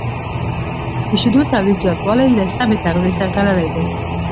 د شیدو تولید زیاتوالی له سمه تغذیې سره تړلی دی.